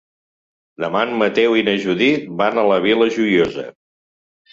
Demà en Mateu i na Judit van a la Vila Joiosa.